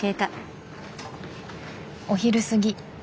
お昼過ぎ。